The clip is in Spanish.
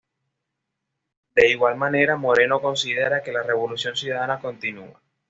De igual manera Moreno considera que la Revolución ciudadana continúa.